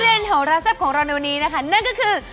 ประเด็นโหหลาทรัพย์ของเราในวันนี้เนี่ยก็คือ